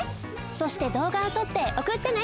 そしてどうがをとっておくってね！